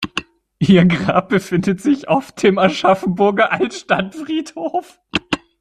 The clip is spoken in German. Ihr Grab befindet sich auf dem Aschaffenburger Altstadtfriedhof.